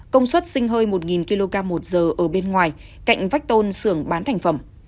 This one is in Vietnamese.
công suất sinh hơi một kg một giờ ở bên ngoài cạnh vách tôn sưởng bán thành phẩm